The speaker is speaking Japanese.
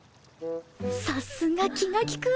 さすが気が利く